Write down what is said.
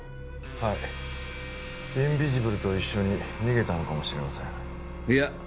はいインビジブルと一緒に逃げたのかもしれませんいや